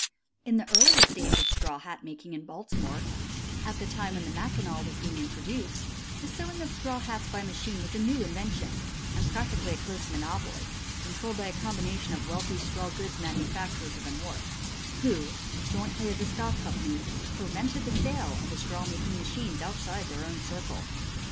In the earliest days of straw hat making in Baltimore, at the time when the Mackinaw was being introduced, the sewing of straw hats by machine was a new invention, and practically a close monopoly controlled by a strong combination of wealthy straw goods manufacturers of the North, who, jointly as a stock company, prevented the sale of the straw sewing machines outside their own circle.